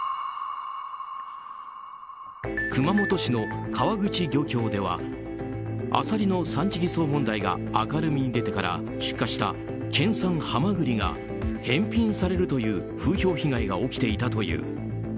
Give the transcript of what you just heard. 熊本市の川口漁協ではアサリの産地偽装問題が明るみに出てから出荷した県産ハマグリが返品されるという風評被害が起きていたという。